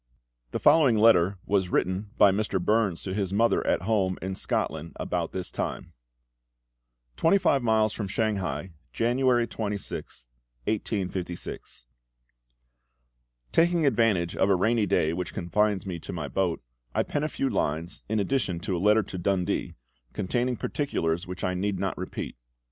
The following letter was written by Mr. Burns to his mother at home in Scotland about this time: "TWENTY FIVE MILES FROM SHANGHAI, January 26th, 1856. "Taking advantage of a rainy day which confines me to my boat, I pen a few lines, in addition to a letter to Dundee, containing particulars which I need not repeat.